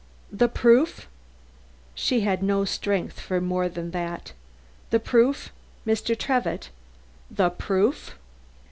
"The proof!" She had no strength for more than that "The proof! Mr. Trevitt, the proof!"